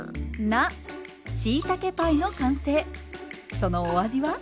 そのお味は？